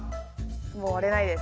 もう割れないです。